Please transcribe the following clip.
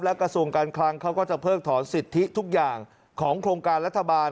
กระทรวงการคลังเขาก็จะเพิกถอนสิทธิทุกอย่างของโครงการรัฐบาล